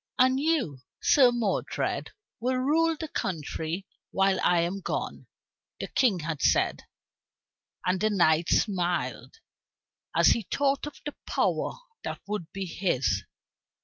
"And you, Sir Modred, will rule the country while I am gone," the King had said. And the knight smiled as he thought of the power that would be his.